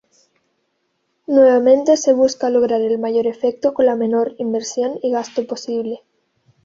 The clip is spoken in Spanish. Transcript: Nuevamente se busca lograr el mayor efecto con la menor inversión y gasto posible.